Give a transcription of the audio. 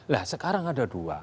lah sekarang ada dua